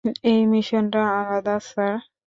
এই মিশনটা আলাদা, স্যার।